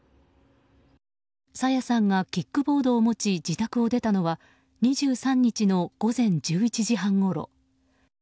朝芽さんがキックボードを持ち自宅を出たのは２３日の午前１１時半ごろ。